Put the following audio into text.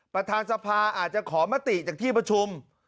ประธานสภาอาจจะขอมติจากที่ประชุม